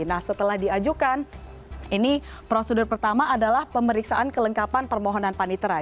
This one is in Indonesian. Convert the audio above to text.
nah setelah diajukan ini prosedur pertama adalah pemeriksaan kelengkapan permohonan panitera